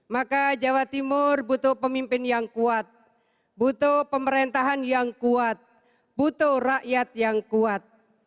maka jawa timur butuh pemimpin yang kuat butuh pemerintahan yang kuat butuh rakyat yang kuat